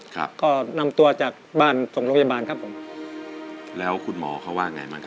ครับก็นำตัวจากบ้านส่งโรงพยาบาลครับผมแล้วคุณหมอเขาว่าไงบ้างครับ